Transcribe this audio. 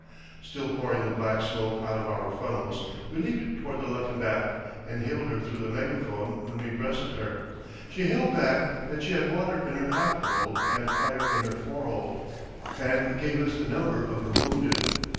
Still pouring the black smoke out of our funnels, we leaped toward the Luckenbach and hailed her through the megaphone when we breasted her. She hailed back that she had water in her afterhold and fire in her forehold, and gave us the number of her wounded.